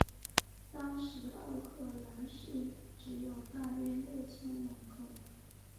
当时奥克兰市只有大约六千人口。